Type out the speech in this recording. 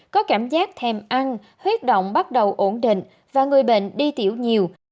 có cảm giác thêm ăn huyết động bắt đầu ổn định và người bệnh đi tiểu nhiều